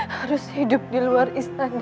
harus hidup di luar istana